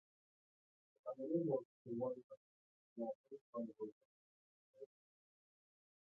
Her name was Dewana and her husband was a taxi driver.